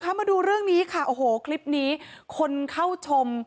มาดูเรื่องนี้ค่ะโอ้โหคลิปนี้คนเข้าชม